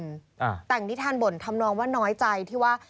แต่อย่างนี้ท่านบ่นทำน้องว่าน้อยใจที่ว่า